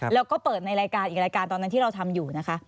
แล้วก็เปิดในรายการอีกรายการตอนนั้นที่เราทำอยู่นะคะ